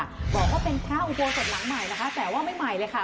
บอกว่าเป็นพระอุโบสถหลังใหม่นะคะแต่ว่าไม่ใหม่เลยค่ะ